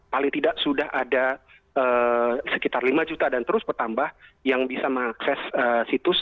paling tidak sudah ada sekitar lima juta dan terus bertambah yang bisa mengakses situs